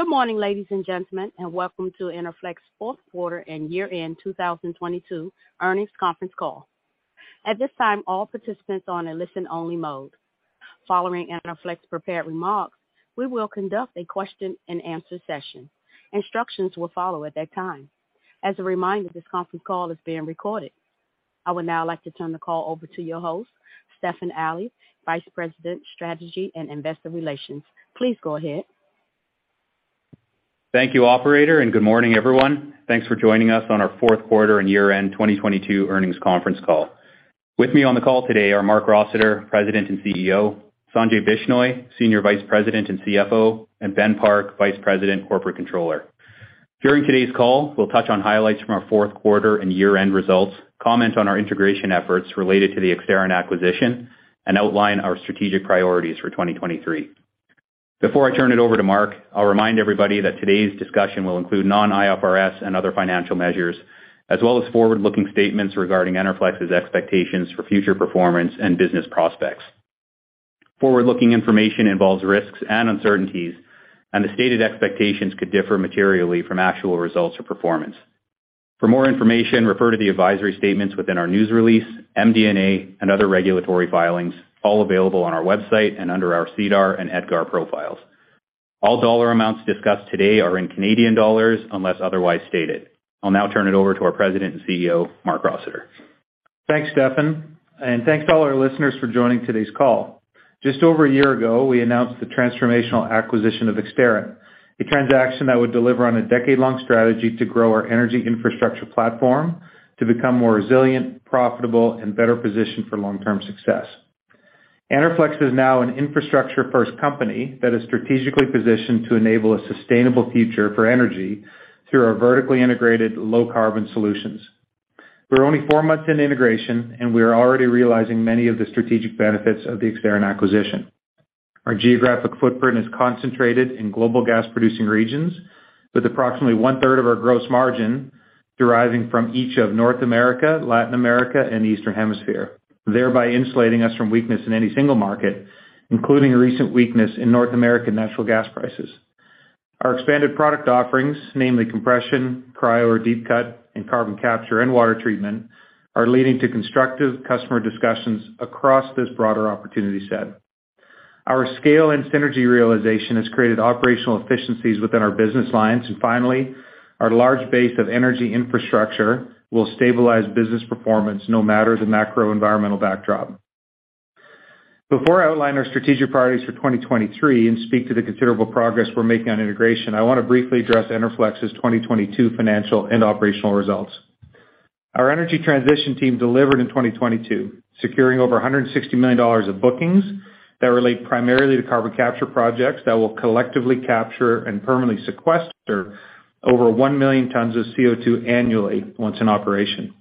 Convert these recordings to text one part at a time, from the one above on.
Good morning, ladies and gentlemen, welcome to Enerflex fourth quarter and year-end 2022 earnings conference call. At this time, all participants are on a listen-only mode. Following Enerflex prepared remarks, we will conduct a question-and-answer session. Instructions will follow at that time. As a reminder, this conference call is being recorded. I would now like to turn the call over to your host, Stefan Ali, Vice President, Strategy and Investor Relations. Please go ahead. Thank you, operator, and good morning, everyone. Thanks for joining us on our fourth quarter and year-end 2022 earnings conference call. With me on the call today are Marc Rossiter, President and CEO, Sanjay Bishnoi, Senior Vice President and CFO, and Ben Park, Vice President, Corporate Controller. During today's call, we'll touch on highlights from our fourth quarter and year-end results, comment on our integration efforts related to the Exterran acquisition, and outline our strategic priorities for 2023. Before I turn it over to Marc, I'll remind everybody that today's discussion will include non-IFRS and other financial measures as well as forward-looking statements regarding Enerflex's expectations for future performance and business prospects. Forward-looking information involves risks and uncertainties, and the stated expectations could differ materially from actual results or performance. For more information, refer to the advisory statements within our news release, MD&A, and other regulatory filings, all available on our website and under our SEDAR and EDGAR profiles. All dollar amounts discussed today are in Canadian dollars unless otherwise stated. I'll now turn it over to our President and CEO, Marc Rossiter. Thanks, Stephen, and thanks to all our listeners for joining today's call. Just over a year ago, we announced the transformational acquisition of Exterran, a transaction that would deliver on a decade-long strategy to grow our Energy Infrastructure platform to become more resilient, profitable, and better positioned for long-term success. Enerflex is now an infrastructure-first company that is strategically positioned to enable a sustainable future for energy through our vertically integrated low-carbon solutions. We're only 4 months in integration. We are already realizing many of the strategic benefits of the Exterran acquisition. Our geographic footprint is concentrated in global gas-producing regions with approximately 1/3 of our gross margin deriving from each of North America, Latin America, and Eastern Hemisphere, thereby insulating us from weakness in any single market, including recent weakness in North American natural gas prices. Our expanded product offerings, namely compression, cryo or deep cut, and carbon capture and water treatment, are leading to constructive customer discussions across this broader opportunity set. Our scale and synergy realization has created operational efficiencies within our business lines. Finally, our large base of Energy Infrastructure will stabilize business performance no matter the macro environmental backdrop. Before I outline our strategic priorities for 2023 and speak to the considerable progress we're making on integration, I wanna briefly address Enerflex's 2022 financial and operational results. Our energy transition team delivered in 2022, securing over 160 million dollars of bookings that relate primarily to carbon capture projects that will collectively capture and permanently sequester over 1 million tons of CO2 annually once in operation.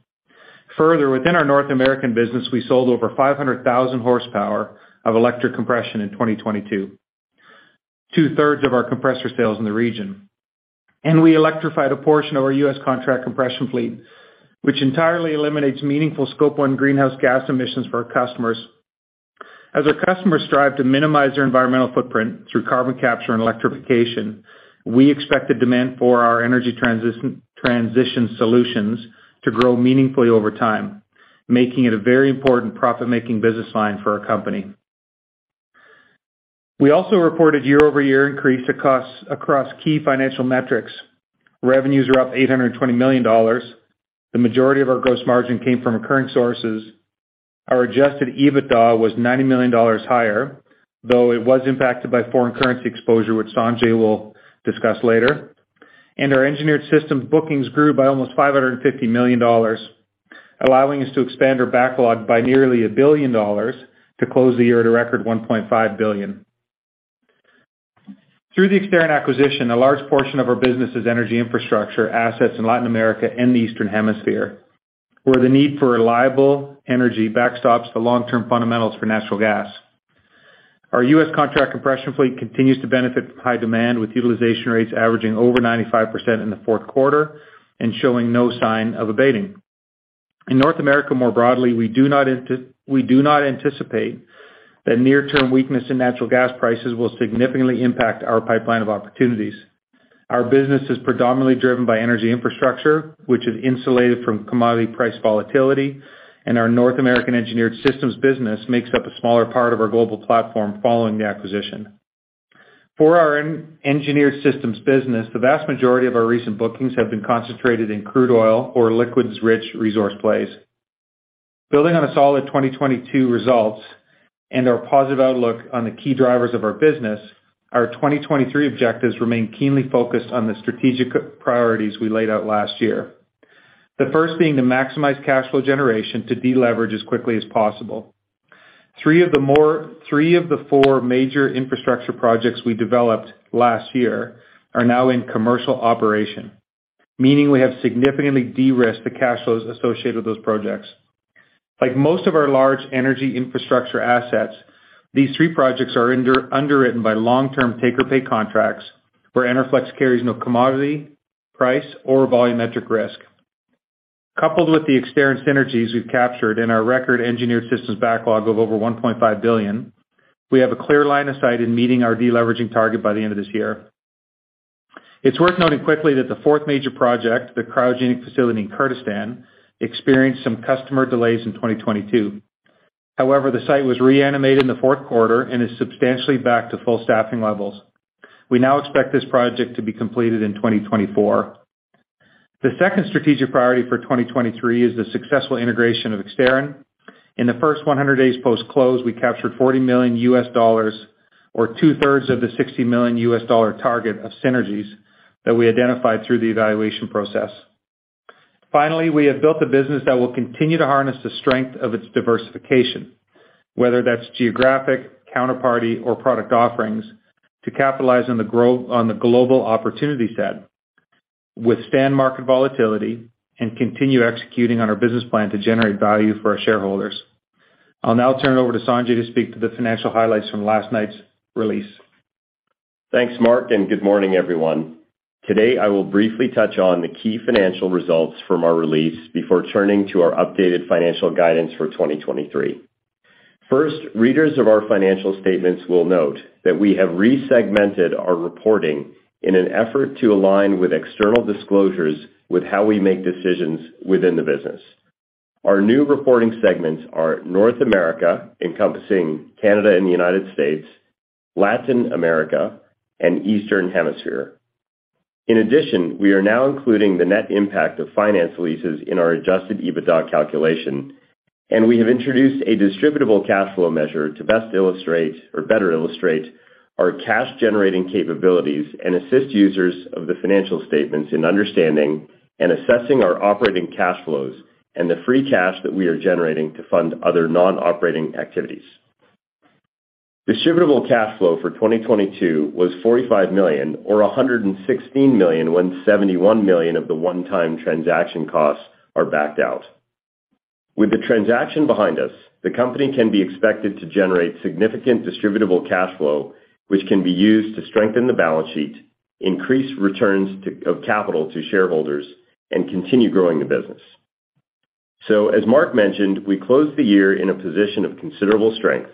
Within our North American business, we sold over 500,000 horsepower of electric compression in 2022, 2/3 of our compressor sales in the region. We electrified a portion of our US contract compression fleet, which entirely eliminates meaningful Scope 1 greenhouse gas emissions for our customers. Our customers strive to minimize their environmental footprint through carbon capture and electrification, we expect the demand for our energy transition solutions to grow meaningfully over time, making it a very important profit-making business line for our company. We also reported year-over-year increase across key financial metrics. Revenues are up 820 million dollars. The majority of our gross margin came from occurring sources. Our adjusted EBITDA was 90 million dollars higher, though it was impacted by foreign currency exposure, which Sanjay will discuss later. Our Engineered Systems bookings grew by almost $550 million, allowing us to expand our backlog by nearly $1 billion to close the year at a record $1.5 billion. Through the Exterran acquisition, a large portion of our business is Energy Infrastructure assets in Latin America and the Eastern Hemisphere, where the need for reliable energy backstops the long-term fundamentals for natural gas. Our U.S. contract compression fleet continues to benefit from high demand, with utilization rates averaging over 95% in the fourth quarter and showing no sign of abating. In North America, more broadly, we do not anticipate that near-term weakness in natural gas prices will significantly impact our pipeline of opportunities. Our business is predominantly driven by Energy Infrastructure, which is insulated from commodity price volatility, and our North American Engineered Systems business makes up a smaller part of our global platform following the acquisition. For our Engineered Systems business, the vast majority of our recent bookings have been concentrated in crude oil or liquids-rich resource plays. Building on a solid 2022 results and our positive outlook on the key drivers of our business, our 2023 objectives remain keenly focused on the strategic priorities we laid out last year. The first being to maximize cash flow generation to deleverage as quickly as possible. Three of the four major infrastructure projects we developed last year are now in commercial operation, meaning we have significantly de-risked the cash flows associated with those projects. Like most of our large energy infrastructure assets, these 3 projects are underwritten by long-term take-or-pay contracts where Enerflex carries no commodity, price, or volumetric risk. Coupled with the Exterran synergies we've captured in our record Engineered Systems backlog of over 1.5 billion, we have a clear line of sight in meeting our deleveraging target by the end of this year. It's worth noting quickly that the 4th major project, the cryogenic facility in Kurdistan, experienced some customer delays in 2022. The site was reanimated in the fourth quarter and is substantially back to full staffing levels. We now expect this project to be completed in 2024. The 2nd strategic priority for 2023 is the successful integration of Exterran. In the first 100 days post-close, we captured $40 million, or two-thirds of the $60 million target of synergies that we identified through the evaluation process. Finally, we have built a business that will continue to harness the strength of its diversification, whether that's geographic, counterparty, or product offerings, to capitalize on the global opportunity set, withstand market volatility, and continue executing on our business plan to generate value for our shareholders. I'll now turn it over to Sanjay to speak to the financial highlights from last night's release. Thanks, Marc, and good morning, everyone. Today, I will briefly touch on the key financial results from our release before turning to our updated financial guidance for 2023. First, readers of our financial statements will note that we have re-segmented our reporting in an effort to align with external disclosures with how we make decisions within the business. Our new reporting segments are North America, encompassing Canada and the United States, Latin America, and Eastern Hemisphere. In addition, we are now including the net impact of finance leases in our adjusted EBITDA calculation, and we have introduced a distributable cash flow measure to best illustrate or better illustrate our cash-generating capabilities and assist users of the financial statements in understanding and assessing our operating cash flows and the free cash that we are generating to fund other non-operating activities. Distributable cash flow for 2022 was 45 million or 116 million when 71 million of the one-time transaction costs are backed out. With the transaction behind us, the company can be expected to generate significant distributable cash flow, which can be used to strengthen the balance sheet, increase returns of capital to shareholders, and continue growing the business. As Marc mentioned, we closed the year in a position of considerable strength.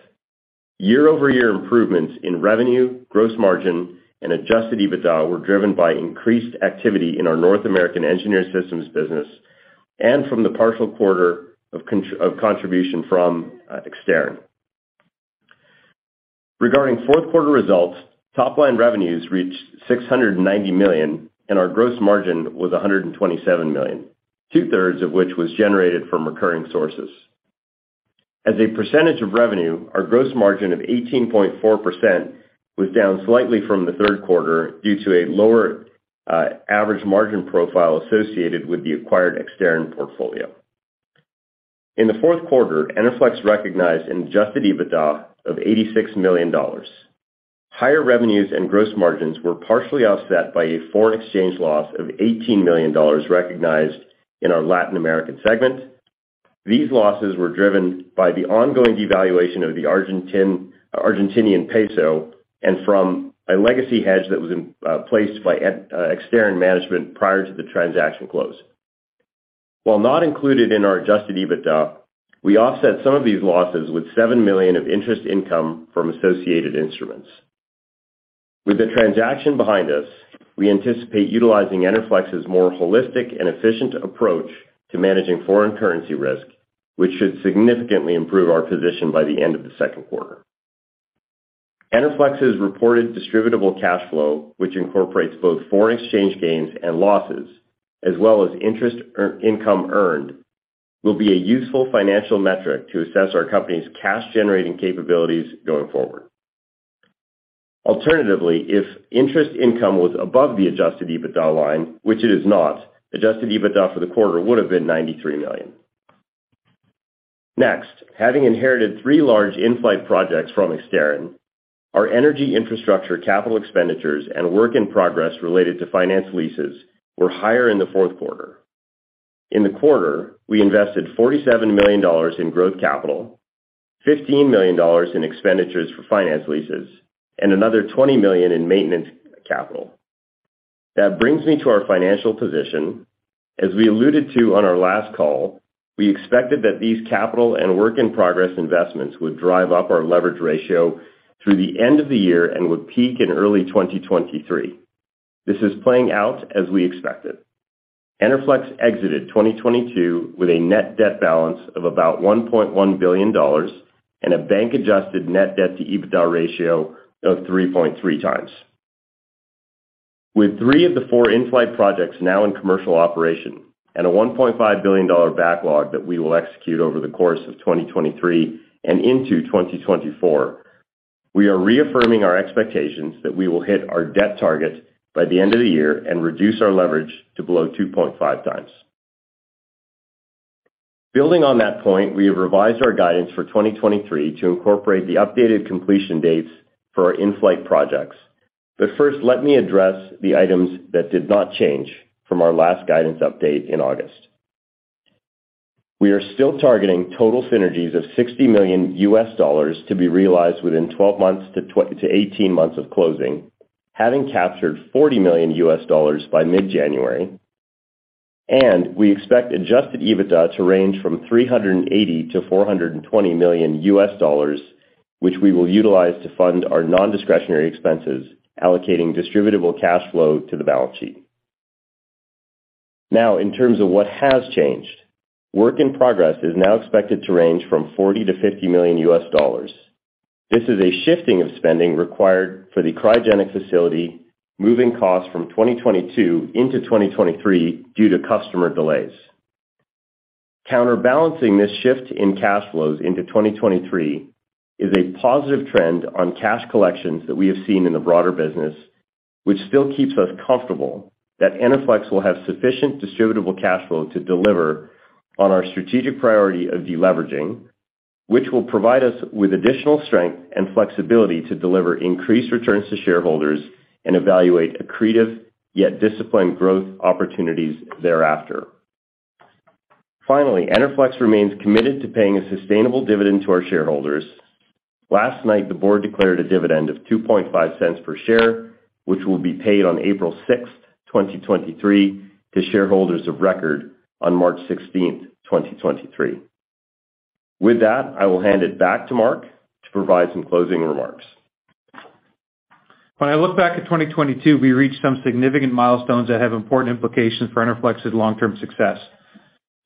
Year-over-year improvements in revenue, gross margin, and adjusted EBITDA were driven by increased activity in our North American Engineered Systems business and from the partial quarter of contribution from Exterran. Regarding fourth quarter results, top line revenues reached 690 million, and our gross margin was 127 million, two-thirds of which was generated from recurring sources. As a percentage of revenue, our gross margin of 18.4% was down slightly from the third quarter due to a lower average margin profile associated with the acquired Exterran portfolio. In the fourth quarter, Enerflex recognized an adjusted EBITDA of $86 million. Higher revenues and gross margins were partially offset by a foreign exchange loss of $18 million recognized in our Latin American segment. These losses were driven by the ongoing devaluation of the Argentinian peso and from a legacy hedge that was placed by Exterran management prior to the transaction close. While not included in our adjusted EBITDA, we offset some of these losses with $7 million of interest income from associated instruments. With the transaction behind us, we anticipate utilizing Enerflex's more holistic and efficient approach to managing foreign currency risk, which should significantly improve our position by the end of the second quarter. Enerflex's reported distributable cash flow, which incorporates both foreign exchange gains and losses, as well as interest income earned, will be a useful financial metric to assess our company's cash-generating capabilities going forward. Alternatively, if interest income was above the adjusted EBITDA line, which it is not, adjusted EBITDA for the quarter would have been 93 million. Next, having inherited three large in-flight projects from Exterran, our energy infrastructure capital expenditures and work-in-progress related to finance leases were higher in the fourth quarter. In the quarter, we invested 47 million dollars in growth capital, 15 million dollars in expenditures for finance leases, and another 20 million in maintenance capital. That brings me to our financial position. As we alluded to on our last call, we expected that these capital and work-in-progress investments would drive up our leverage ratio through the end of the year and would peak in early 2023. This is playing out as we expected. Enerflex exited 2022 with a net debt balance of about 1.1 billion dollars and a bank-adjusted net debt to EBITDA ratio of 3.3x. With three of the four in-flight projects now in commercial operation and a 1.5 billion dollar backlog that we will execute over the course of 2023 and into 2024, we are reaffirming our expectations that we will hit our debt target by the end of the year and reduce our leverage to below 2.5x. Building on that point, we have revised our guidance for 2023 to incorporate the updated completion dates for our in-flight projects. First, let me address the items that did not change from our last guidance update in August. We are still targeting total synergies of $60 million to be realized within 12-18 months of closing, having captured $40 million by mid-January. We expect adjusted EBITDA to range from $380 million-$420 million, which we will utilize to fund our non-discretionary expenses, allocating distributable cash flow to the balance sheet. In terms of what has changed, work in progress is now expected to range from $40 million-$50 million. This is a shifting of spending required for the cryogenic facility, moving costs from 2022 into 2023 due to customer delays. Counterbalancing this shift in cash flows into 2023 is a positive trend on cash collections that we have seen in the broader business, which still keeps us comfortable that Enerflex will have sufficient distributable cash flow to deliver on our strategic priority of deleveraging, which will provide us with additional strength and flexibility to deliver increased returns to shareholders and evaluate accretive, yet disciplined growth opportunities thereafter. Enerflex remains committed to paying a sustainable dividend to our shareholders. Last night, the board declared a dividend of $0.025 per share, which will be paid on April 6, 2023, to shareholders of record on March 16, 2023. I will hand it back to Marc to provide some closing remarks. When I look back at 2022, we reached some significant milestones that have important implications for Enerflex's long-term success.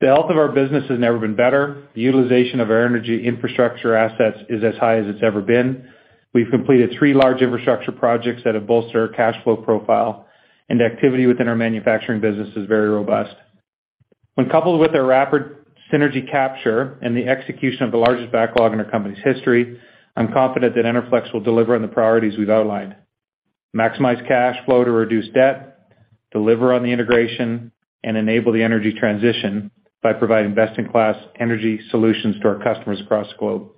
The health of our business has never been better. The utilization of our energy infrastructure assets is as high as it's ever been. We've completed three large infrastructure projects that have bolstered our cash flow profile, and activity within our manufacturing business is very robust. When coupled with our rapid synergy capture and the execution of the largest backlog in our company's history, I'm confident that Enerflex will deliver on the priorities we've outlined. Maximize cash flow to reduce debt, deliver on the integration, and enable the energy transition by providing best-in-class energy solutions to our customers across the globe.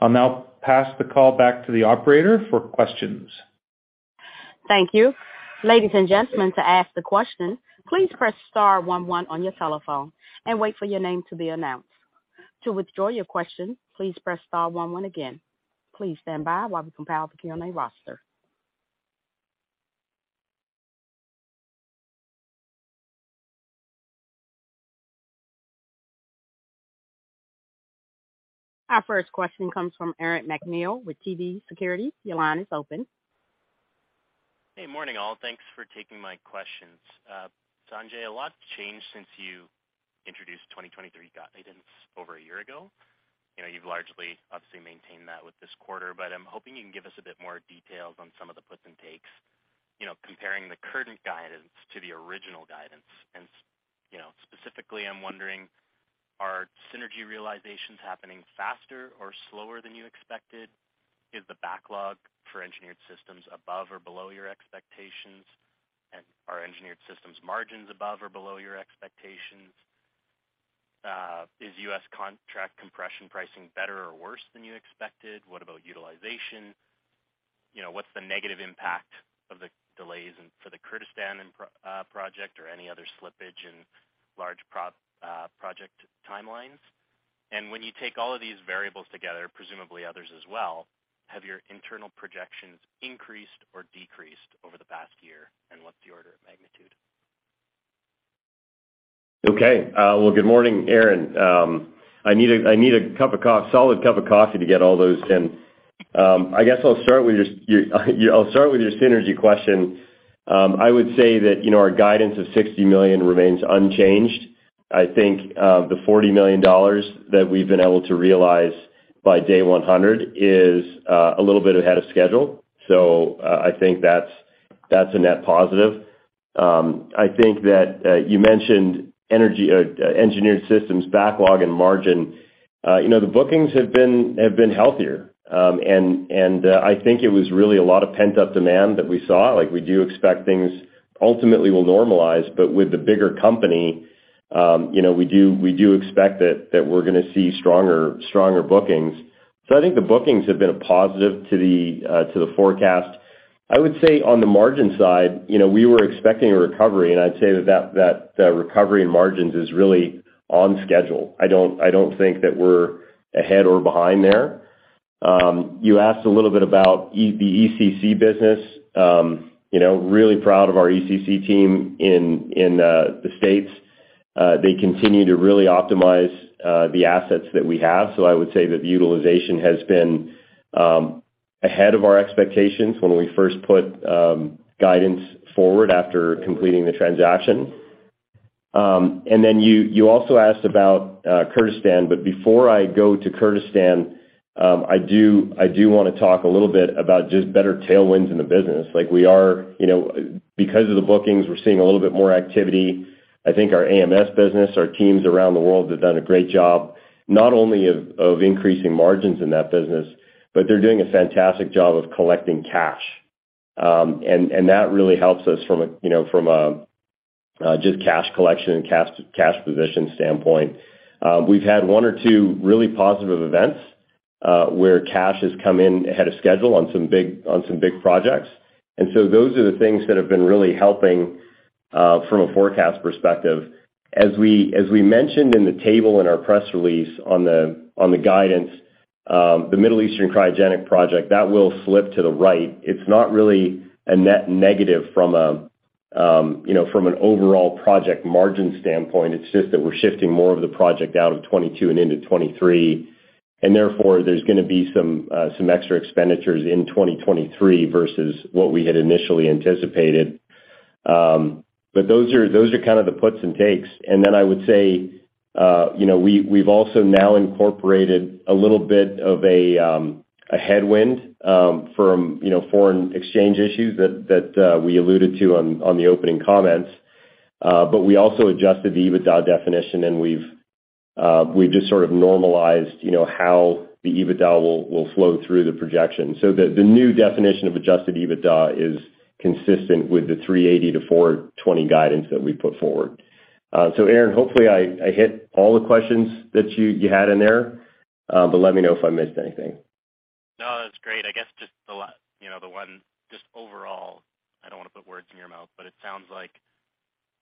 I'll now pass the call back to the operator for questions. Thank you. Ladies and gentlemen, to ask the question, please press star one one on your telephone and wait for your name to be announced. To withdraw your question, please press star one one again. Please stand by while we compile the Q&A roster. Our first question comes from Aaron MacNeil with TD Securities. Your line is open. Hey, morning all. Thanks for taking my questions. Sanjay, a lot's changed since you introduced 2023 guidance over 1 year ago. You know, you've largely, obviously, maintained that with this quarter, but I'm hoping you can give us a bit more details on some of the puts and takes, you know, comparing the current guidance to the original guidance. You know, specifically, I'm wondering, are synergy realizations happening faster or slower than you expected? Is the backlog for Engineered Systems above or below your expectations? And are Engineered Systems margins above or below your expectations? Is US contract compression pricing better or worse than you expected? What about utilization? You know, what's the negative impact of the delays and for the Kurdistan project or any other slippage in large project timelines? When you take all of these variables together, presumably others as well, have your internal projections increased or decreased over the past year, and what's the order of magnitude? Okay. Well, good morning, Aaron. I need a solid cup of coffee to get all those in. I guess I'll start with your synergy question. I would say that, you know, our guidance of $60 million remains unchanged. I think the $40 million that we've been able to realize by day 100 is a little bit ahead of schedule, so I think that's a net positive. I think that you mentioned Engineered Systems backlog and margin. You know, the bookings have been healthier. I think it was really a lot of pent-up demand that we saw. We do expect things ultimately will normalize, but with the bigger company, you know, we do expect that we're gonna see stronger bookings. I think the bookings have been a positive to the forecast. I would say on the margin side, you know, we were expecting a recovery, and I'd say that recovery in margins is really on schedule. I don't think that we're ahead or behind there. You asked a little bit about the ECC business. You know, really proud of our ECC team in the States. They continue to really optimize the assets that we have. I would say that the utilization has been ahead of our expectations when we first put guidance forward after completing the transaction. You, you also asked about Kurdistan, but before I go to Kurdistan, I do wanna talk a little bit about just better tailwinds in the business. Like we are, you know, because of the bookings, we're seeing a little bit more activity. I think our AMS business, our teams around the world have done a great job, not only of increasing margins in that business, but they're doing a fantastic job of collecting cash. That really helps us from a, you know, from a just cash collection and cash position standpoint. We've had one or two really positive events where cash has come in ahead of schedule on some big projects. Those are the things that have been really helping from a forecast perspective. As we mentioned in the table in our press release on the guidance, the Middle Eastern cryogenic project, that will slip to the right. It's not really a net negative from a, you know, from an overall project margin standpoint, it's just that we're shifting more of the project out of 2022 and into 2023. Therefore, there's gonna be some extra expenditures in 2023 versus what we had initially anticipated. Those are kind of the puts and takes. Then I would say, you know, we've also now incorporated a little bit of a headwind, from, you know, foreign exchange issues that we alluded to on the opening comments. We also adjusted the EBITDA definition, and we've just sort of normalized, you know, how the EBITDA will flow through the projection. The new definition of adjusted EBITDA is consistent with the 380 to 420 guidance that we put forward. Aaron, hopefully, I hit all the questions that you had in there, but let me know if I missed anything. No, that's great. I guess just you know, the one just overall, I don't wanna put words in your mouth, but it sounds like,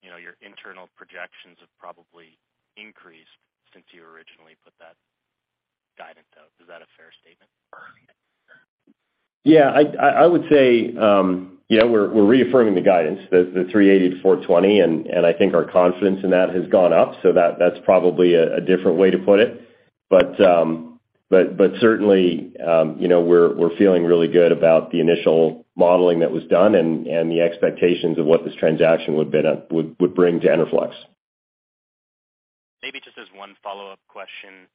you know, your internal projections have probably increased since you originally put that guidance out. Is that a fair statement? Yeah. I would say, you know, we're reaffirming the guidance, the 380 to 420, and I think our confidence in that has gone up, so that's probably a different way to put it. Certainly, you know, we're feeling really good about the initial modeling that was done and the expectations of what this transaction would bring to Enerflex. Maybe just as 1 follow-up question,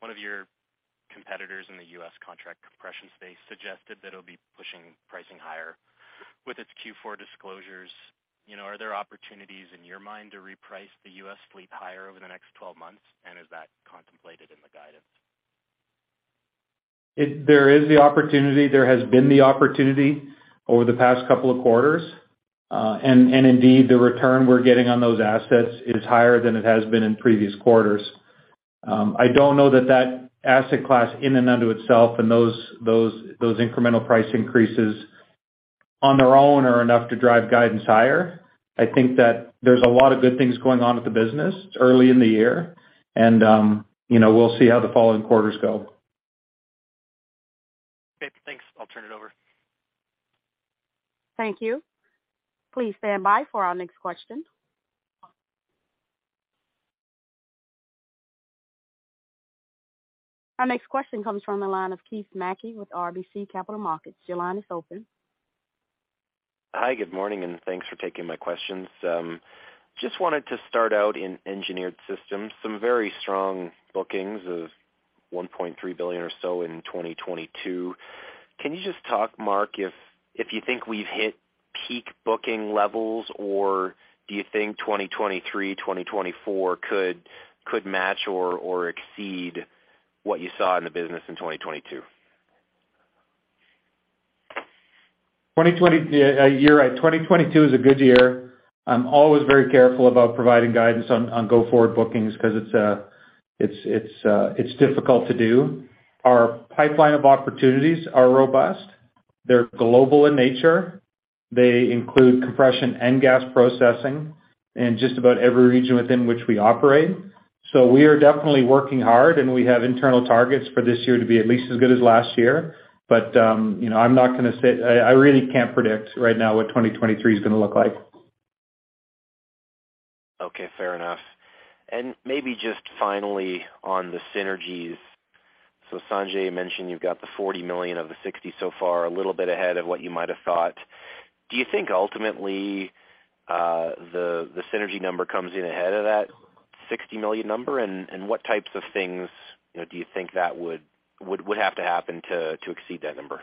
one of your competitors in the U.S. contract compression space suggested that it'll be pushing pricing higher with its Q4 disclosures. You know, are there opportunities in your mind to reprice the U.S. fleet higher over the next 12 months, and is that contemplated in the guidance? There is the opportunity, there has been the opportunity over the past couple of quarters. Indeed, the return we're getting on those assets is higher than it has been in previous quarters. I don't know that that asset class in and unto itself and those incremental price increases on their own are enough to drive guidance higher. I think that there's a lot of good things going on with the business. It's early in the year and, you know, we'll see how the following quarters go. Okay, thanks. I'll turn it over. Thank you. Please stand by for our next question. Our next question comes from the line of Keith MacKey with RBC Capital Markets. Your line is open. Hi, good morning, thanks for taking my questions. Just wanted to start out in Engineered Systems. Some very strong bookings of 1.3 billion or so in 2022. Can you just talk, Marc, if you think we've hit peak booking levels, or do you think 2023, 2024 could match or exceed what you saw in the business in 2022? You're right. 2022 is a good year. I'm always very careful about providing guidance on go-forward bookings 'cause it's difficult to do. Our pipeline of opportunities are robust. They're global in nature. They include compression and gas processing in just about every region within which we operate. We are definitely working hard, and we have internal targets for this year to be at least as good as last year. You know, I really can't predict right now what 2023 is gonna look like. Okay, fair enough. Just finally on the synergies. Sanjay mentioned you've got the $40 million of the $60 so far, a little bit ahead of what you might have thought. Do you think ultimately, the synergy number comes in ahead of that $60 million number, and what types of things, you know, do you think that would have to happen to exceed that number?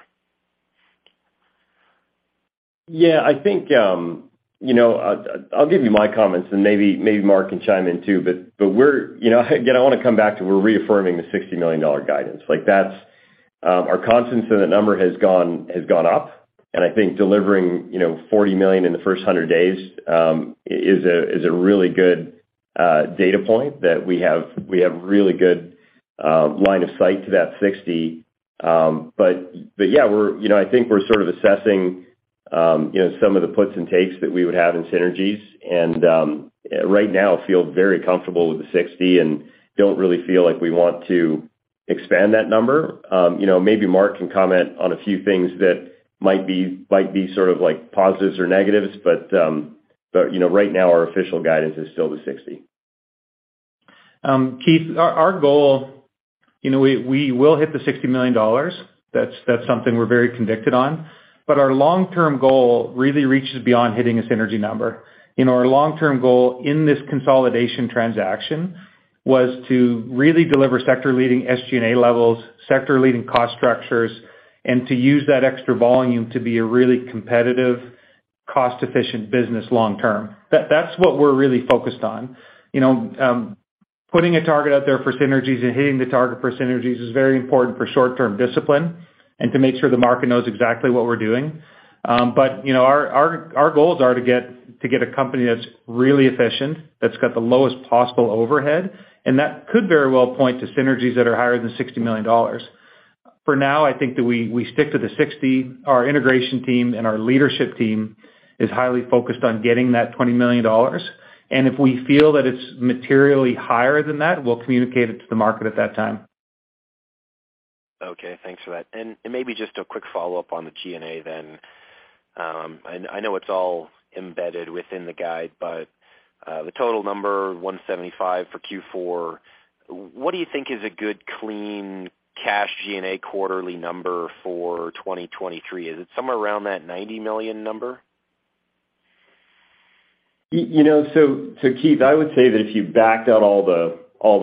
Yeah. I think, you know, I'll give you my comments and maybe Marc can chime in too. We're. You know, again, I wanna come back to we're reaffirming the $60 million guidance. Like, that's, our confidence in the number has gone up, and I think delivering, you know, $40 million in the first 100 days, is a really good data point that we have really good line of sight to that $60. Yeah, we're, you know, I think we're sort of assessing, you know, some of the puts and takes that we would have in synergies and, right now feel very comfortable with the $60 and don't really feel like we want to expand that number. you know, maybe Marc can comment on a few things that might be sort of like positives or negatives. you know, right now our official guidance is still the $60 million. Keith, our goal, you know, we will hit the $60 million. That's something we're very convicted on. Our long-term goal really reaches beyond hitting a synergy number. You know, our long-term goal in this consolidation transaction was to really deliver sector-leading SG&A levels, sector-leading cost structures, and to use that extra volume to be a really competitive, cost-efficient business long term. That's what we're really focused on. You know, putting a target out there for synergies and hitting the target for synergies is very important for short-term discipline. To make sure the market knows exactly what we're doing. You know, our goals are to get a company that's really efficient, that's got the lowest possible overhead, and that could very well point to synergies that are higher than $60 million. For now, I think that we stick to the 60. Our integration team and our leadership team is highly focused on getting that $20 million. If we feel that it's materially higher than that, we'll communicate it to the market at that time. Okay. Thanks for that. Maybe just a quick follow-up on the G&A then. I know it's all embedded within the guide, but, the total number 175 for Q4, what do you think is a good clean cash G&A quarterly number for 2023? Is it somewhere around that 90 million number? You know, so Keith, I would say that if you backed out all the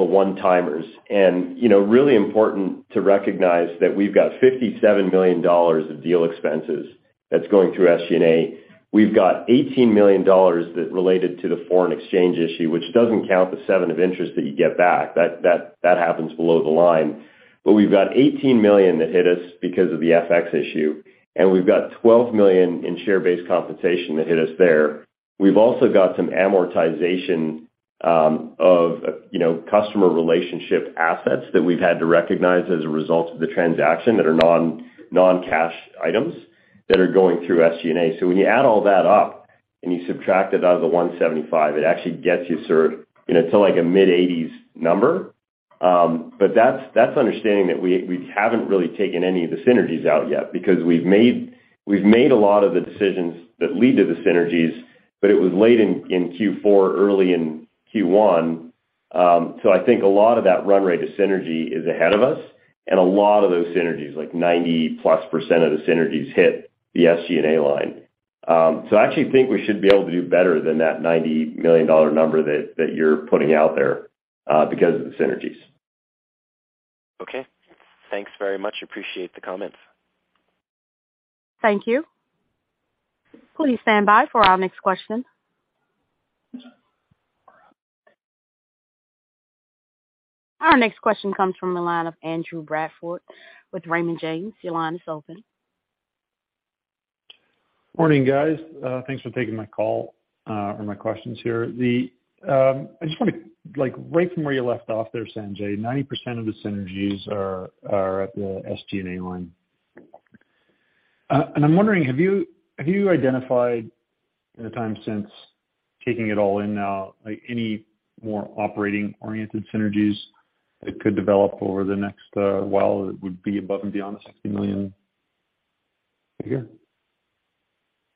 one-timers and, you know, really important to recognize that we've got $57 million of deal expenses that's going through SG&A. We've got $18 million that related to the foreign exchange issue, which doesn't count the $7 of interest that you get back. That happens below the line. We've got $18 million that hit us because of the FX issue, and we've got $12 million in share-based compensation that hit us there. We've also got some amortization of, you know, customer relationship assets that we've had to recognize as a result of the transaction that are non-cash items that are going through SG&A. When you add all that up and you subtract it out of the 175, it actually gets you sort of, you know, to like a mid-80s number. That's understanding that we haven't really taken any of the synergies out yet because we've made a lot of the decisions that lead to the synergies, but it was late in Q4, early in Q1. I think a lot of that run rate of synergy is ahead of us and a lot of those synergies, like 90%+ of the synergies hit the SG&A line. I actually think we should be able to do better than that 90 million dollar number that you're putting out there because of the synergies. Okay. Thanks very much. Appreciate the comments. Thank you. Please stand by for our next question. Our next question comes from the line of Andrew Bradford with Raymond James. Your line is open. Morning, guys. Thanks for taking my call, or my questions here. I just want to like right from where you left off there, Sanjay, 90% of the synergies are at the SG&A line. I'm wondering, have you identified in the time since taking it all in now, like any more operating-oriented synergies that could develop over the next while that would be above and beyond the $60 million figure?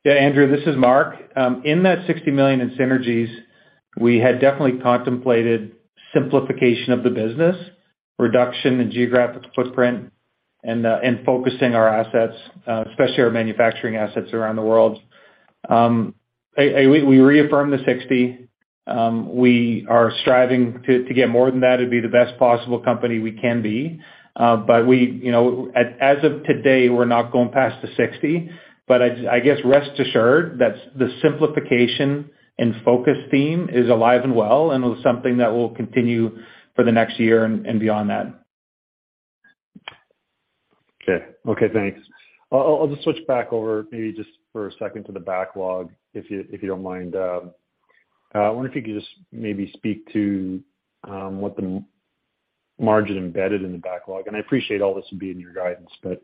Yeah, Andrew, this is Mark. In that $60 million in synergies, we had definitely contemplated simplification of the business, reduction in geographic footprint and focusing our assets, especially our manufacturing assets around the world. We reaffirm the $60 million. We are striving to get more than that. It'd be the best possible company we can be. We, you know, as of today, we're not going past the $60 million. I guess rest assured that the simplification and focus theme is alive and well, and it's something that will continue for the next year and beyond that. Okay. Okay, thanks. I'll just switch back over maybe just for a second to the backlog if you don't mind. I wonder if you could just maybe speak to what the margin embedded in the backlog. And I appreciate all this will be in your guidance, but,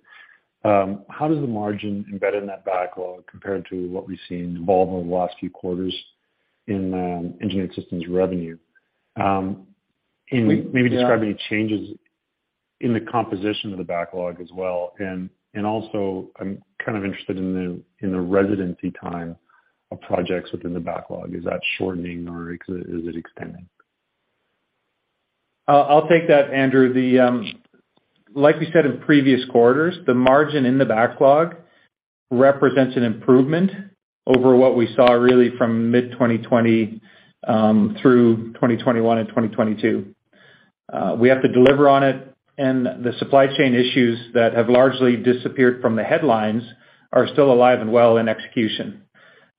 how does the margin embed in that backlog compared to what we've seen evolve over the last few quarters in Engineered Systems revenue? Maybe describe any changes in the composition of the backlog as well. Also I'm kind of interested in the residency time of projects within the backlog. Is that shortening or is it extending? I'll take that, Andrew. Like we said in previous quarters, the margin in the backlog represents an improvement over what we saw really from mid-2020 through 2021 and 2022. We have to deliver on it and the supply chain issues that have largely disappeared from the headlines are still alive and well in execution.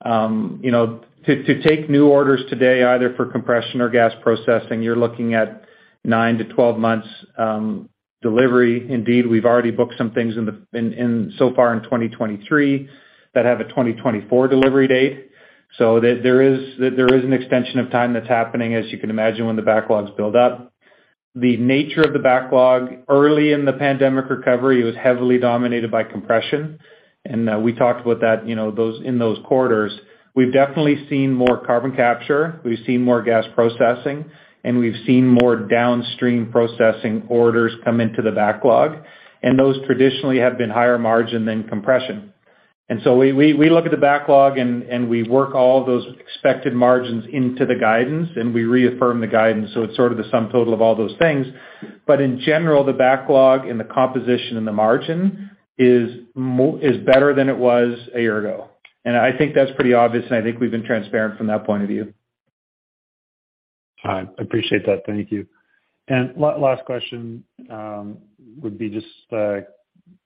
You know, to take new orders today, either for compression or gas processing, you're looking at 9 to 12 months delivery. Indeed, we've already booked some things in so far in 2023 that have a 2024 delivery date. There is an extension of time that's happening, as you can imagine, when the backlogs build up. The nature of the backlog early in the pandemic recovery was heavily dominated by compression, and we talked about that, you know, in those quarters. We've definitely seen more carbon capture. We've seen more gas processing, and we've seen more downstream processing orders come into the backlog. Those traditionally have been higher margin than compression. We look at the backlog and we work all those expected margins into the guidance, and we reaffirm the guidance. It's sort of the sum total of all those things. In general, the backlog and the composition and the margin is better than it was a year ago. I think that's pretty obvious, and I think we've been transparent from that point of view. All right. I appreciate that. Thank you. Last question,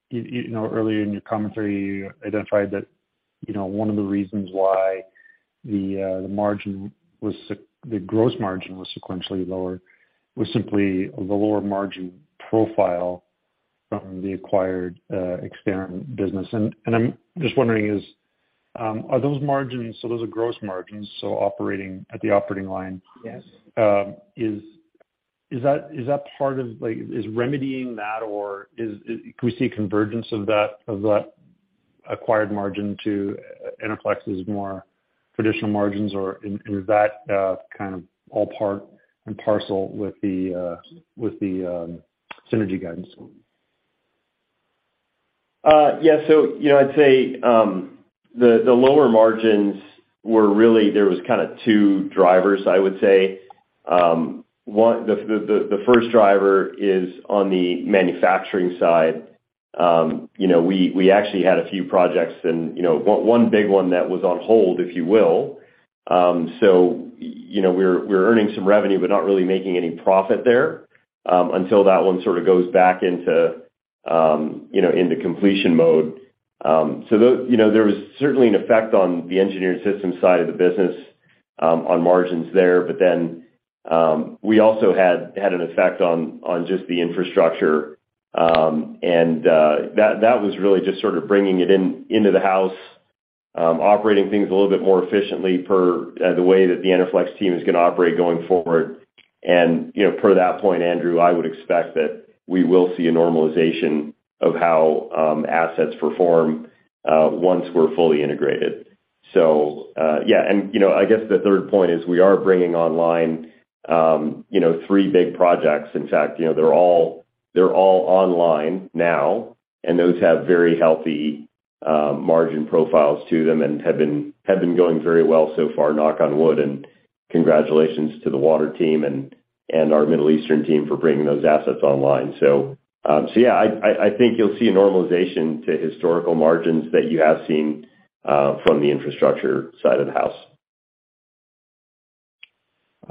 you know, earlier in your commentary, you identified that, you know, one of the reasons why the margin was the gross margin was sequentially lower was simply the lower margin profile from the acquired Exterran business. I'm just wondering is, are those margins... Those are gross margins, so operating at the operating line. Yes. Is that part of like, is remedying that or can we see convergence of that acquired margin to Enerflex's more traditional margins? Is that kind of all part and parcel with the with the synergy guidance? Yeah. You know, I'd say the lower margins were really there was kinda two drivers, I would say. One the, the first driver is on the manufacturing side. You know, we actually had a few projects and, you know, one big one that was on hold, if you will. You know, we're earning some revenue, but not really making any profit there, until that one sorta goes back into, you know, into completion mode. So, you know, there was certainly an effect on the Engineered Systems side of the business, on margins there. Then, we also had an effect on just the infrastructure. And that was really just sort of bringing it into the house, operating things a little bit more efficiently per the way that the Enerflex team is gonna operate going forward. You know, per that point, Andrew, I would expect that we will see a normalization of how assets perform once we're fully integrated. Yeah. You know, I guess the third point is we are bringing online, you know, three big projects. In fact, you know, they're all online now, and those have very healthy margin profiles to them and have been going very well so far, knock on wood. Congratulations to the water team and our Middle Eastern team for bringing those assets online. Yeah, I think you'll see a normalization to historical margins that you have seen, from the infrastructure side of the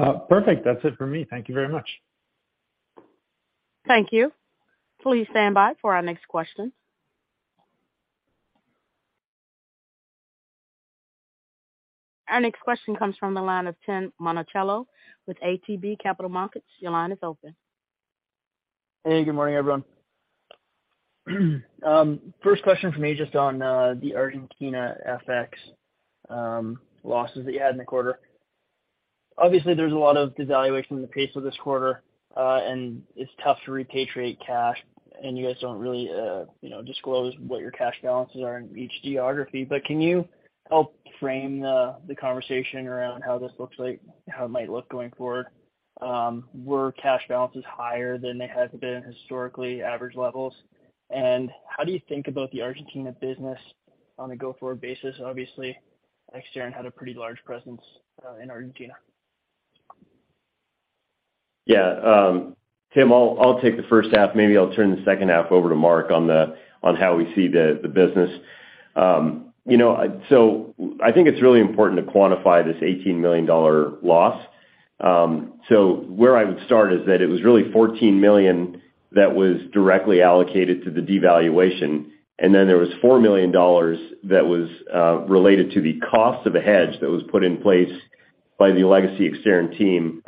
house. Perfect. That's it for me. Thank you very much. Thank you. Please stand by for our next question. Our next question comes from the line of Tim Monachello with ATB Capital Markets. Your line is open. Good morning, everyone. First question from me, just on the Argentina FX losses that you had in the quarter. Obviously, there's a lot of devaluation in the peso of this quarter, and it's tough to repatriate cash, and you guys don't really, you know, disclose what your cash balances are in each geography. Can you help frame the conversation around how this looks like, how it might look going forward? Were cash balances higher than they have been historically average levels? How do you think about the Argentina business on a go-forward basis? Obviously, Exterran had a pretty large presence in Argentina. Yeah. Tim, I'll take the first half. Maybe I'll turn the second half over to Marc Rossiter on how we see the business. You know, I think it's really important to quantify this 18 million dollar loss. Where I would start is that it was really 14 million that was directly allocated to the devaluation, and then there was 4 million dollars that was related to the cost of the hedge that was put in place by the legacy Exterran team,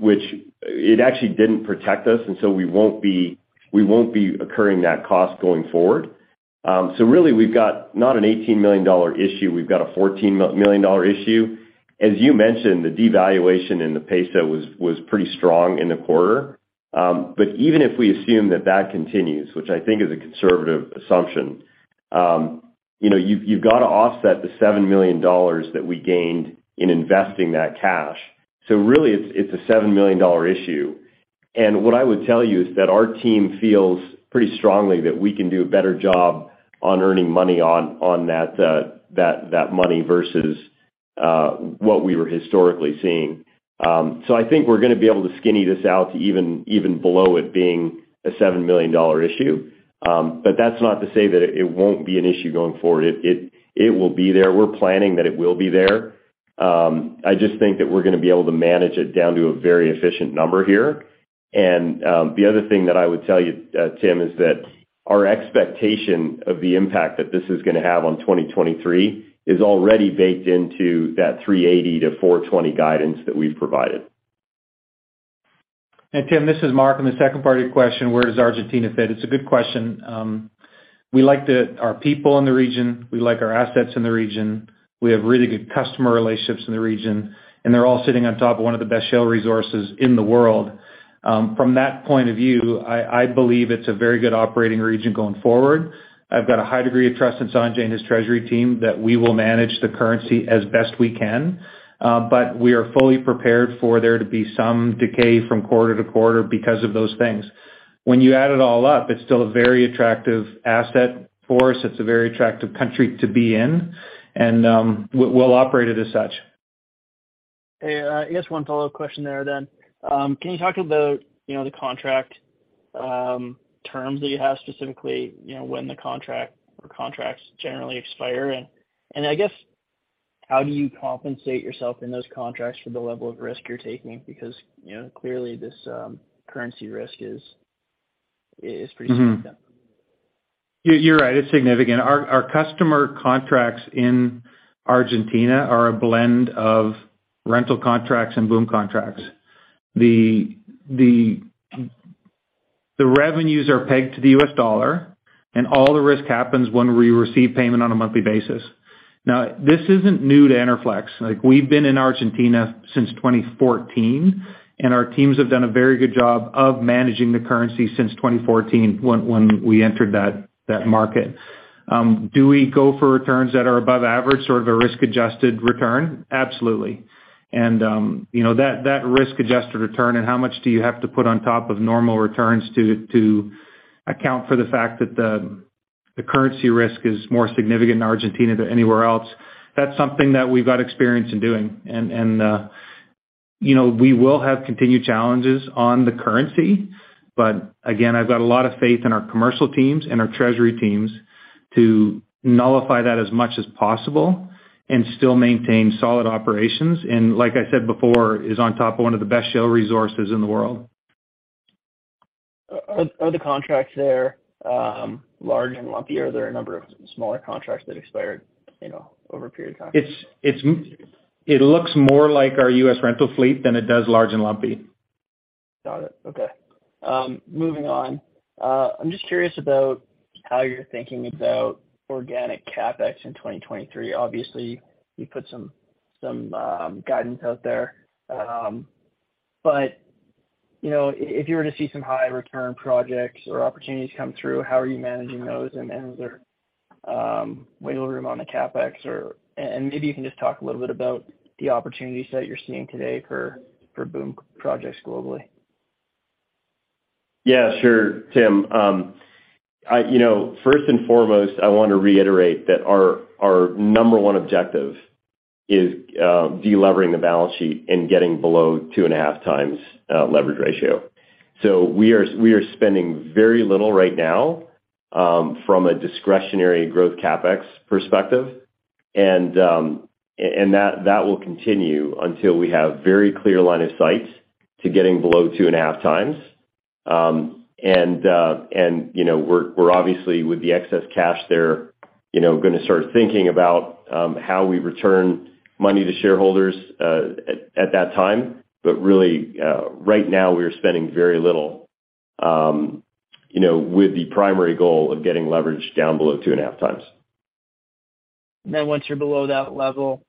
which it actually didn't protect us, and so we won't be incurring that cost going forward. Really we've got not an 18 million dollar issue, we've got a 14 million dollar issue. As you mentioned, the devaluation in the peso was pretty strong in the quarter. Even if we assume that that continues, which I think is a conservative assumption, you know, you've gotta offset the 7 million dollars that we gained in investing that cash. Really it's a 7 million dollar issue. What I would tell you is that our team feels pretty strongly that we can do a better job on earning money on that money versus what we were historically seeing. I think we're gonna be able to skinny this out to even below it being a 7 million dollar issue. That's not to say that it won't be an issue going forward. It will be there. We're planning that it will be there. I just think that we're gonna be able to manage it down to a very efficient number here. The other thing that I would tell you, Tim, is that our expectation of the impact that this is gonna have on 2023 is already baked into that 380-420 guidance that we've provided. Tim, this is Mark. On the second part of your question, where does Argentina fit? It's a good question. We like our people in the region. We like our assets in the region. We have really good customer relationships in the region, and they're all sitting on top of one of the best shale resources in the world. From that point of view, I believe it's a very good operating region going forward. I've got a high degree of trust in Sanjay and his treasury team that we will manage the currency as best we can. We are fully prepared for there to be some decay from quarter to quarter because of those things. When you add it all up, it's still a very attractive asset for us. It's a very attractive country to be in, and we'll operate it as such. Hey, I guess one follow-up question there then. Can you talk about, you know, the contract, terms that you have specifically, you know, when the contract or contracts generally expire? I guess how do you compensate yourself in those contracts for the level of risk you're taking? You know, clearly this currency risk is pretty significant. You're right, it's significant. Our customer contracts in Argentina are a blend of rental contracts and BOOM contracts. The revenues are pegged to the US dollar, and all the risk happens when we receive payment on a monthly basis. Now, this isn't new to Enerflex. Like, we've been in Argentina since 2014, and our teams have done a very good job of managing the currency since 2014 when we entered that market. Do we go for returns that are above average or of a risk-adjusted return? Absolutely. You know, that risk-adjusted return and how much do you have to put on top of normal returns to account for the fact that the currency risk is more significant in Argentina than anywhere else, that's something that we've got experience in doing. you know, we will have continued challenges on the currency. Again, I've got a lot of faith in our commercial teams and our treasury teams to nullify that as much as possible and still maintain solid operations, and like I said before, is on top of one of the best shale resources in the world. Are the contracts there, large and lumpy, or are there a number of smaller contracts that expired, you know, over a period of time? It's, it looks more like our U.S. rental fleet than it does large and lumpy. Got it. Okay. Moving on. I'm just curious about how you're thinking about organic CapEx in 2023. Obviously, you put some guidance out there. You know, if you were to see some high return projects or opportunities come through, how are you managing those and is there wiggle room on the CapEx or? Maybe you can just talk a little bit about the opportunities that you're seeing today for BOOM projects globally? Yeah, sure, Tim. you know, first and foremost, I wanna reiterate that our number one objective is de-levering the balance sheet and getting below 2.5 times leverage ratio. We are spending very little right now from a discretionary growth CapEx perspective. That will continue until we have very clear line of sight to getting below 2.5 times. You know, we're obviously with the excess cash there, you know, gonna start thinking about how we return money to shareholders at that time. Really, right now we are spending very little, you know, with the primary goal of getting leverage down below 2.5 times. Once you're below that level,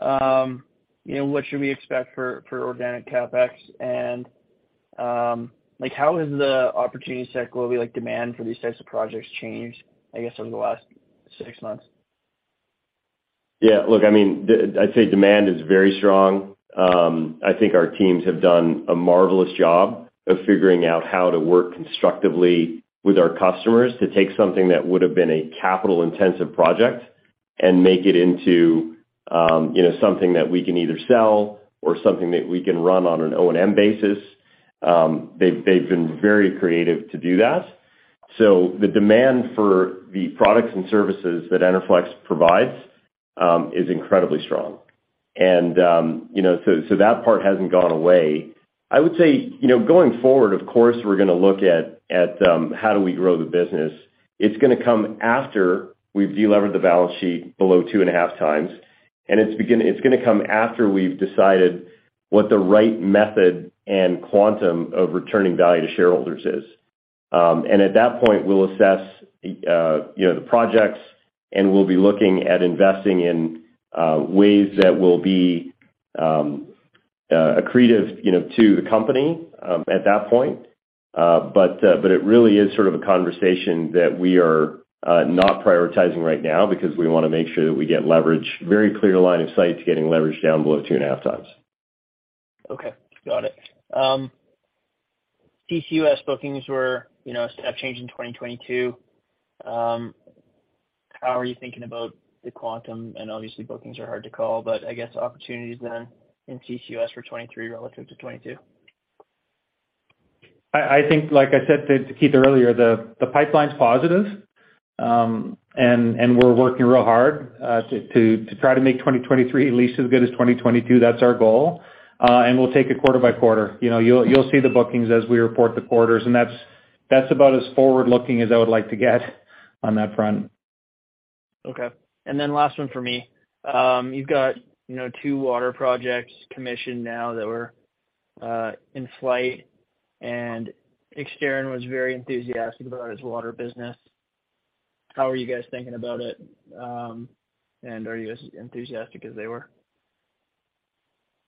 you know, what should we expect for organic CapEx? Like, how has the opportunity set globally, like demand for these types of projects changed, I guess, over the last 6 months? Yeah. Look, I mean, I'd say demand is very strong. I think our teams have done a marvelous job of figuring out how to work constructively with our customers to take something that would've been a capital-intensive project and make it into, you know, something that we can either sell or something that we can run on an O&M basis. They've been very creative to do that. The demand for the products and services that Enerflex provides is incredibly strong. You know, so that part hasn't gone away. I would say, you know, going forward, of course, we're gonna look at how do we grow the business. It's gonna come after we've de-levered the balance sheet below 2.5 times, and it's gonna come after we've decided what the right method and quantum of returning value to shareholders is. At that point, we'll assess, you know, the projects, and we'll be looking at investing in ways that will be accretive, you know, to the company at that point. It really is sort of a conversation that we are not prioritizing right now because we wanna make sure that we get leverage, very clear line of sight to getting leverage down below 2.5 times. Okay. Got it. CCUS bookings were, you know, a step change in 2022. How are you thinking about the quantum, and obviously bookings are hard to call, but I guess opportunities then in CCUS for 2023 relative to 2022? I think, like I said to Keith earlier, the pipeline's positive. We're working real hard to try to make 2023 at least as good as 2022. That's our goal. We'll take it quarter by quarter. You know, you'll see the bookings as we report the quarters, and that's about as forward-looking as I would like to get on that front. Okay. Last one for me. you've got, you know, 2 water projects commissioned now that were in flight, and Exterran was very enthusiastic about its water business. How are you guys thinking about it? Are you as enthusiastic as they were?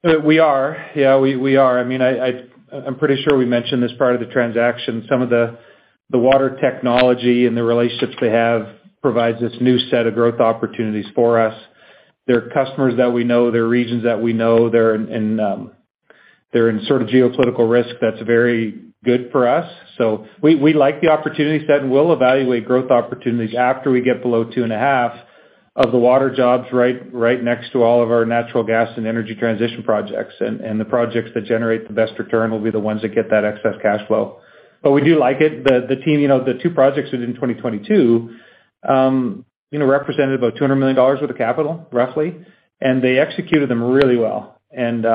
We are. We are. I mean, I'm pretty sure we mentioned as part of the transaction some of the water technology and the relationships they have provides this new set of growth opportunities for us. They're customers that we know, they're regions that we know, they're in sort of geopolitical risk that's very good for us. We like the opportunity set, and we'll evaluate growth opportunities after we get below 2.5 of the water jobs right next to all of our natural gas and energy transition projects. The projects that generate the best return will be the ones that get that excess cash flow. We do like it. The team, you know, the two projects that are in 2022, you know, represented about 200 million dollars worth of capital, roughly, and they executed them really well and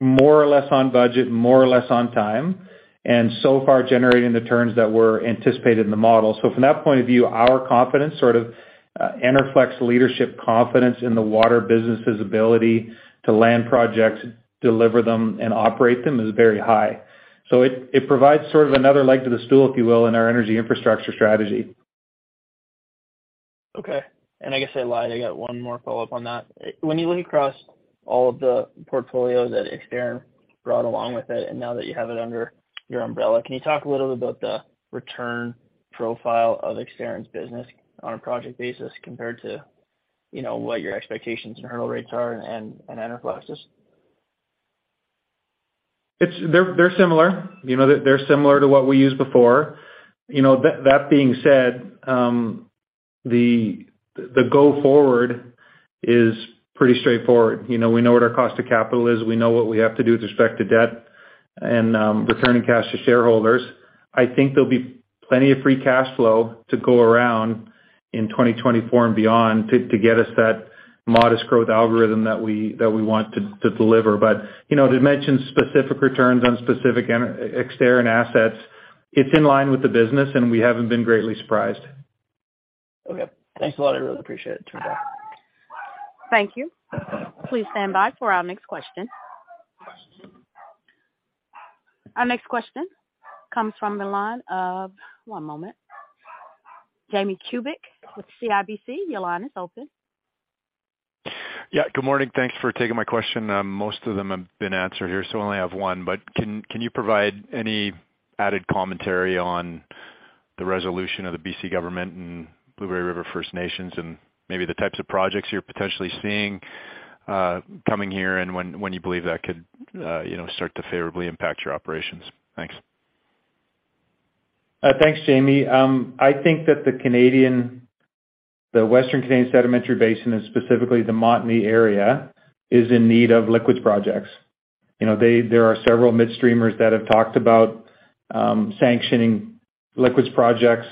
more or less on budget, more or less on time, and so far generating the returns that were anticipated in the model. From that point of view, our confidence sort of, Enerflex leadership confidence in the water business' ability to land projects, deliver them and operate them is very high. It provides sort of another leg to the stool, if you will, in our Energy Infrastructure strategy. Okay. I guess I lied. I got one more follow-up on that. When you look across all of the portfolios that Exterran brought along with it, and now that you have it under your umbrella, can you talk a little bit about the return profile of Exterran's business on a project basis compared to, you know, what your expectations and hurdle rates are and Enerflex's? They're similar. You know, they're similar to what we used before. You know, that being said, the go forward is pretty straightforward. You know, we know what our cost of capital is. We know what we have to do with respect to debt and returning cash to shareholders. I think there'll be plenty of free cash flow to go around in 2024 and beyond to get us that modest growth algorithm that we want to deliver. You know, to mention specific returns on specific Exterran assets, it's in line with the business, and we haven't been greatly surprised. Okay. Thanks a lot. I really appreciate it. Talk to you. Thank you. Please stand by for our next question. Our next question comes from the line of One moment. Jamie Kubik with CIBC. Your line is open. Yeah, good morning. Thanks for taking my question. Most of them have been answered here, so I only have one. Can you provide any added commentary on the resolution of the BC government and Blueberry River First Nations and maybe the types of projects you're potentially seeing coming here and when you believe that could, you know, start to favorably impact your operations? Thanks. Thanks, Jamie. I think that the Western Canadian Sedimentary Basin, and specifically the Montney area, is in need of liquids projects. You know, there are several midstreamers that have talked about sanctioning liquids projects,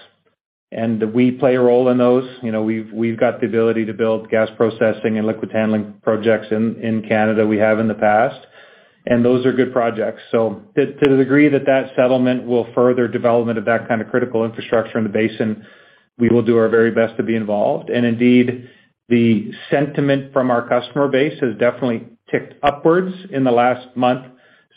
and we play a role in those. You know, we've got the ability to build gas processing and liquids handling projects in Canada. We have in the past, and those are good projects. To the degree that that settlement will further development of that kind of critical infrastructure in the basin, we will do our very best to be involved. Indeed, the sentiment from our customer base has definitely ticked upwards in the last month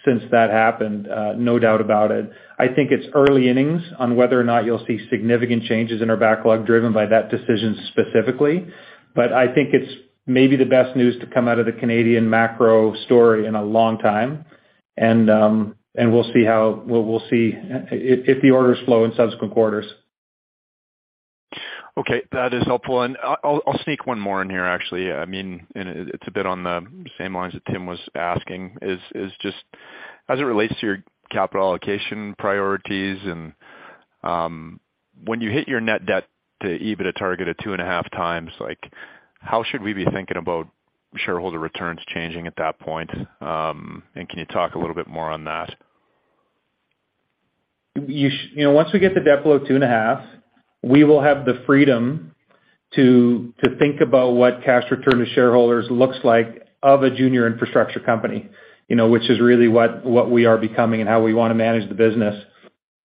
since that happened. No doubt about it. I think it's early innings on whether or not you'll see significant changes in our backlog driven by that decision specifically. I think it's maybe the best news to come out of the Canadian macro story in a long time. We'll see if the orders flow in subsequent quarters. Okay, that is helpful. I'll sneak one more in here, actually. I mean, it's a bit on the same lines that Tim was asking, is just as it relates to your capital allocation priorities and, when you hit your net debt to EBITDA target at 2.5 times, like, how should we be thinking about shareholder returns changing at that point? Can you talk a little bit more on that? You know, once we get the debt below 2.5, we will have the freedom to think about what cash return to shareholders looks like of a junior infrastructure company, you know, which is really what we are becoming and how we wanna manage the business.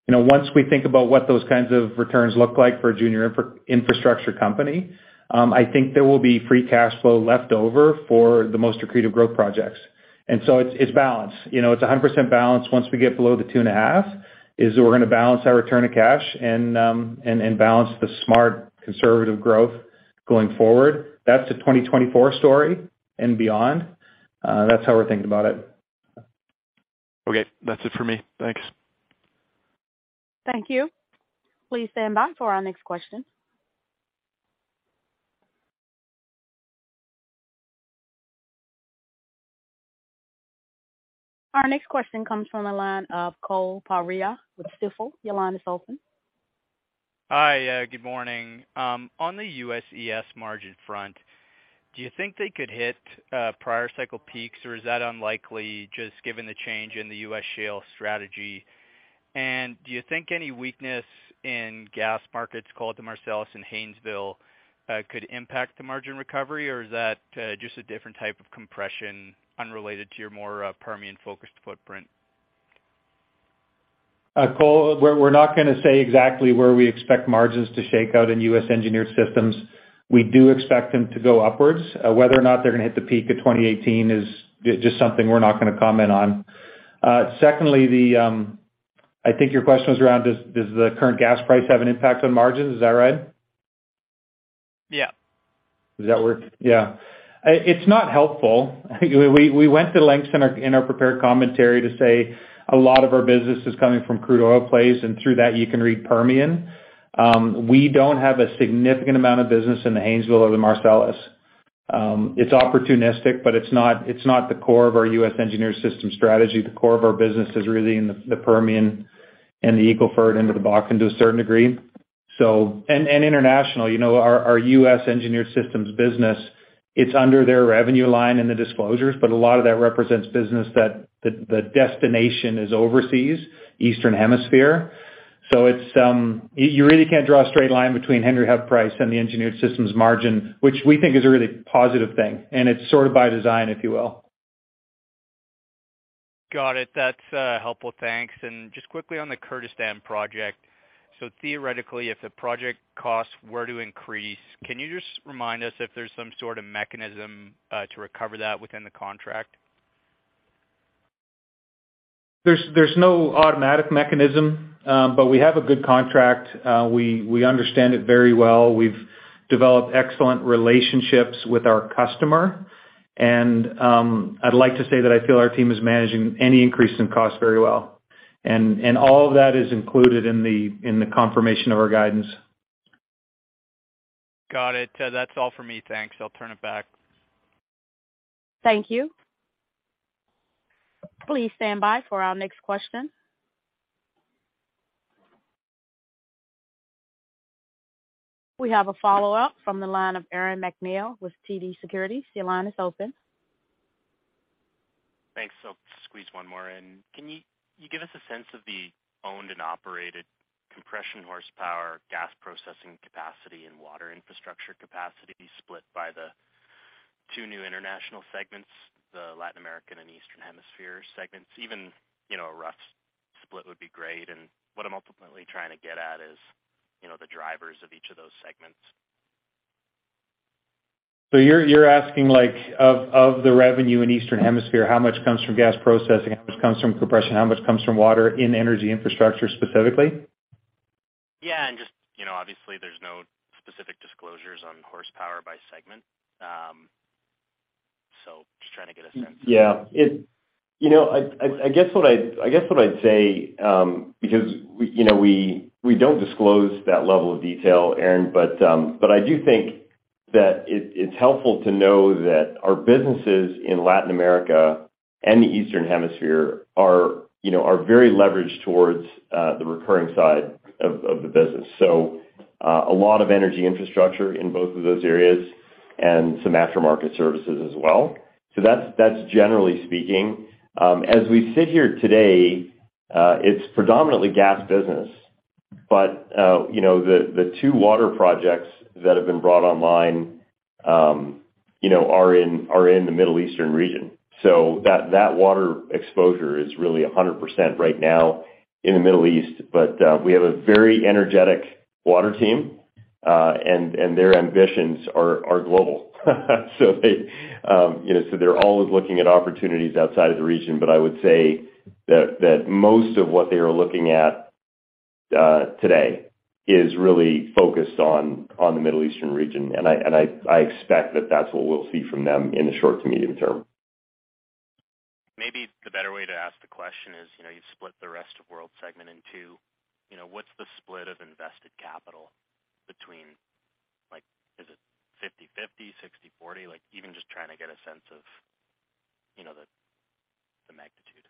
You know, once we think about what those kinds of returns look like for a junior infrastructure company, I think there will be free cash flow left over for the most accretive growth projects. It's balance. You know, it's 100% balance. Once we get below the 2.5, is we're gonna balance our return of cash and balance the smart conservative growth going forward. That's the 2024 story and beyond. That's how we're thinking about it. Okay. That's it for me. Thanks. Thank you. Please stand by for our next question. Our next question comes from the line of Cole Pereira with Stifel. Your line is open. Hi. Yeah, good morning. On the U.S. ES margin front, do you think they could hit prior cycle peaks, or is that unlikely just given the change in the U.S. shale strategy? Do you think any weakness in gas markets, call it the Marcellus and Haynesville, could impact the margin recovery, or is that just a different type of compression unrelated to your more Permian-focused footprint? Cole, we're not gonna say exactly where we expect margins to shake out in U.S. Engineered Systems. We do expect them to go upwards. Whether or not they're gonna hit the peak of 2018 is just something we're not gonna comment on. Secondly, I think your question was around does the current gas price have an impact on margins, is that right? Yeah. Does that work? Yeah. It's not helpful. We went to lengths in our prepared commentary to say a lot of our business is coming from crude oil plays. Through that you can read Permian. We don't have a significant amount of business in the Haynesville or the Marcellus. It's opportunistic, but it's not the core of our U.S. engineered system strategy. The core of our business is really in the Permian and the Eagle Ford into the Bakken to a certain degree. And international. You know, our U.S. Engineered Systems business, it's under their revenue line in the disclosures, but a lot of that represents business that the destination is overseas, Eastern Hemisphere. It's, you really can't draw a straight line between Henry Hub price and the Engineered Systems margin, which we think is a really positive thing, and it's sort of by design, if you will. Got it. That's helpful. Thanks. Just quickly on the Kurdistan project. Theoretically, if the project costs were to increase, can you just remind us if there's some sort of mechanism to recover that within the contract? There's no automatic mechanism, but we have a good contract. We understand it very well. We've developed excellent relationships with our customer. I'd like to say that I feel our team is managing any increase in cost very well. All of that is included in the confirmation of our guidance. Got it. That's all for me. Thanks. I'll turn it back. Thank you. Please stand by for our next question. We have a follow-up from the line of Aaron MacNeil with TD Securities. Your line is open. Thanks. Squeeze one more in. Can you give us a sense of the owned and operated compression horsepower, gas processing capacity and water infrastructure capacity split by the two new international segments, the Latin American and Eastern Hemisphere segments? Even, you know, a rough split would be great. What I'm ultimately trying to get at is, you know, the drivers of each of those segments. You're asking, like, of the revenue in Eastern Hemisphere, how much comes from gas processing, how much comes from compression, how much comes from water in Energy Infrastructure, specifically? Yeah. Just, you know, obviously there's no specific disclosures on horsepower by segment. Just trying to get a sense. Yeah, you know, I guess what I'd say, because we, you know, we don't disclose that level of detail, Aaron MacNeil, but I do think that it's helpful to know that our businesses in Latin America and the Eastern Hemisphere are, you know, are very leveraged towards the recurring side of the business. A lot of Energy Infrastructure in both of those areas and some aftermarket services as well. That's generally speaking. As we sit here today, it's predominantly gas business. You know, the two water projects that have been brought online, you know, are in the Middle Eastern region. That water exposure is really 100% right now in the Middle East. We have a very energetic water team, and their ambitions are global. They, you know, they're always looking at opportunities outside of the region. I would say that most of what they are looking at today is really focused on the Middle Eastern region. I expect that that's what we'll see from them in the short to medium term. Maybe the better way to ask the question is, you know, you've split the rest of world segment in two. You know, what's the split of invested capital between, like, is it 50/50, 60/40? Like, even just trying to get a sense of, you know, the magnitude.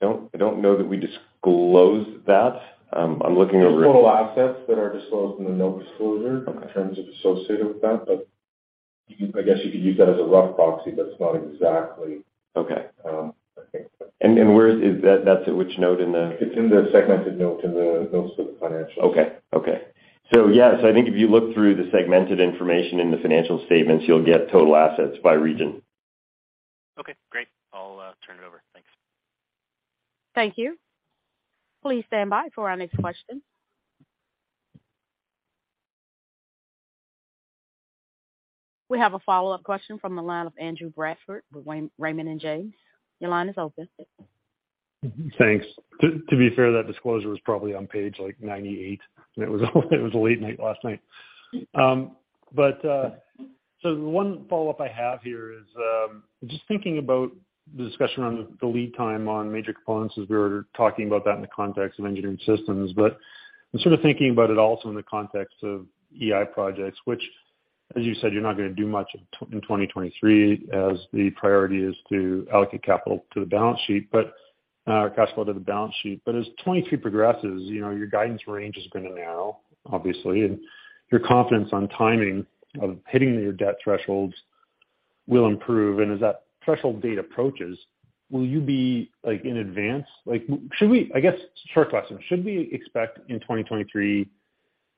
I don't know that we disclose that. I'm looking. There's total assets that are disclosed in the note disclosure. Okay. in terms of associated with that. I guess you could use that as a rough proxy, but it's not exactly. Okay. I think. Where is that? That's at which note in the? It's in the segmented note in the notes of the financials. Okay. Okay. Yeah, so I think if you look through the segmented information in the financial statements, you'll get total assets by region. Okay, great. I'll turn it over. Thanks. Thank you. Please stand by for our next question. We have a follow-up question from the line of Andrew Bradford with Raymond James. Your line is open. Thanks. To be fair, that disclosure was probably on page, like, 98, and it was a late night last night. One follow-up I have here is, just thinking about the discussion on the lead time on major components as we were talking about that in the context of Engineered Systems. I'm sort of thinking about it also in the context of EI projects, which as you said, you're not gonna do much in 2023 as the priority is to allocate capital to the balance sheet. As 2022 progresses, you know, your guidance range is gonna narrow obviously, and your confidence on timing of hitting your debt thresholds will improve. As that threshold date approaches, will you be, like, in advance? I guess short question, should we expect in 2023,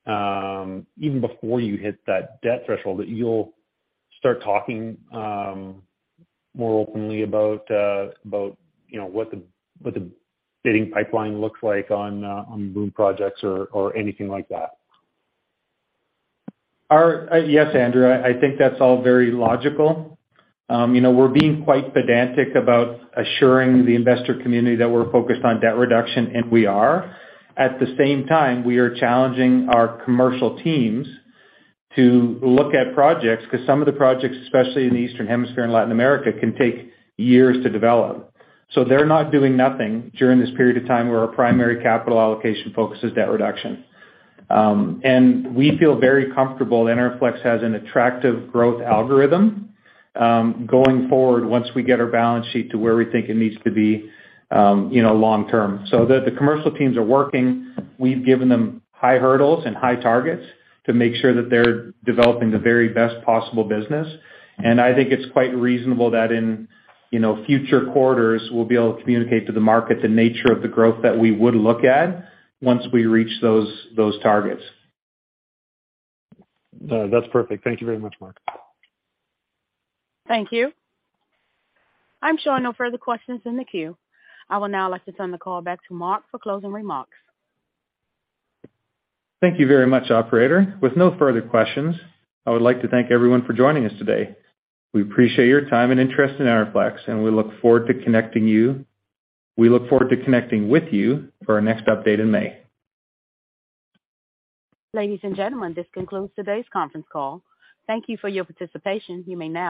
even before you hit that debt threshold, that you'll start talking more openly about, you know, what the, what the bidding pipeline looks like on BOOM projects or anything like that? Yes, Andrew, I think that's all very logical. You know, we're being quite pedantic about assuring the investor community that we're focused on debt reduction, and we are. At the same time, we are challenging our commercial teams to look at projects 'cause some of the projects, especially in the Eastern Hemisphere and Latin America, can take years to develop. They're not doing nothing during this period of time where our primary capital allocation focus is debt reduction. And we feel very comfortable Enerflex has an attractive growth algorithm going forward once we get our balance sheet to where we think it needs to be, you know, long term. The, the commercial teams are working. We've given them high hurdles and high targets to make sure that they're developing the very best possible business. I think it's quite reasonable that in, you know, future quarters we'll be able to communicate to the market the nature of the growth that we would look at once we reach those targets. No, that's perfect. Thank you very much, Marc. Thank you. I'm showing no further questions in the queue. I will now like to turn the call back to Marc for closing remarks. Thank you very much, operator. With no further questions, I would like to thank everyone for joining us today. We appreciate your time and interest in Enerflex, We look forward to connecting with you for our next update in May. Ladies and gentlemen, this concludes today's conference call. Thank you for your participation. You may now disconnect.